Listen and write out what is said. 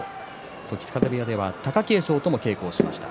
時津風部屋では貴景勝とも稽古をしました。